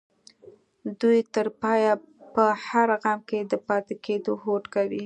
دوی تر پايه په هر غم کې د پاتې کېدو هوډ کوي.